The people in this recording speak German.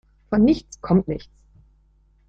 Von nichts komm nichts.